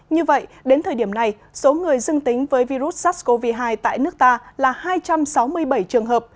như vậy đến thời điểm này số người dưng tính với virus sars cov hai tại nước ta là hai trăm sáu mươi bảy trường hợp